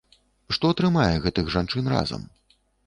Што трымае гэтых жанчын разам?